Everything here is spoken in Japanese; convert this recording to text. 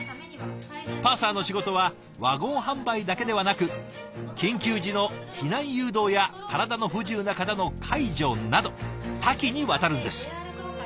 パーサーの仕事はワゴン販売だけではなく緊急時の避難誘導や体の不自由な方の介助など多岐にわたるんです。